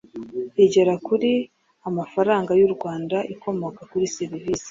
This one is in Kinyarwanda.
Igera kuri amafaranga y u rwanda ikomoka kuri serivisi